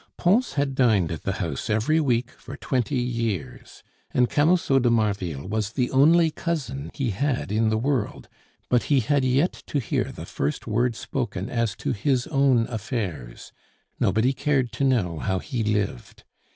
Pons had dined at the house every week for twenty years, and Camusot de Marville was the only cousin he had in the world; but he had yet to hear the first word spoken as to his own affairs nobody cared to know how he lived.